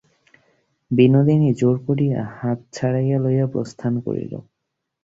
বিনোদিনী জোর করিয়া হাত ছাড়াইয়া লইয়া প্রস্থান করিল।